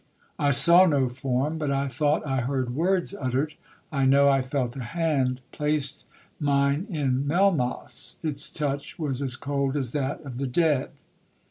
I saw no form, but I thought I heard words uttered—I know I felt a hand place mine in Melmoth's—its touch was as cold as that of the dead.'